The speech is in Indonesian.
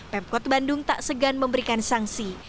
pemkot bandung tak segan memberikan sanksi